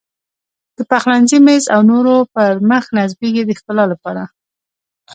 د پخلنځي میز او نورو پر مخ نصبېږي د ښکلا لپاره.